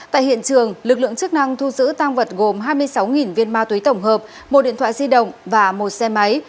tại hiện trường lực lượng chức năng thu giữ tăng vật gồm hai mươi sáu viên ma túy tổng hợp một điện thoại di động và một xe máy